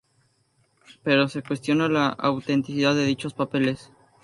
Pero se cuestiona la autenticidad de dichos papeles.